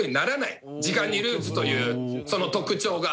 時間にルーズというその特徴が。